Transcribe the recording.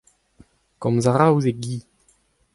komz a ra ouzh e gi.